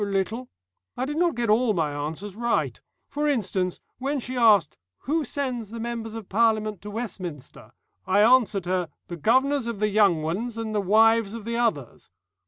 "A little. I did not get all my answers right. For instance, when she asked, 'Who sends the members of Parliament to Westminster?' I answered her, 'The governors of the young ones and the wives of the others.'